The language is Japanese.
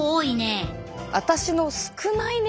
私の少ないね。